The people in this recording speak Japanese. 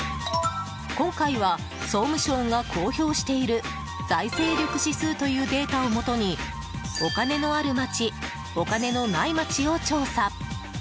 今回は総務省が公表している財政力指数というデータをもとにお金のあるまちお金のないまちを調査。